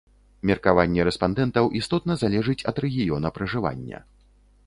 Меркаванне рэспандэнтаў істотна залежыць ад рэгіёна пражывання.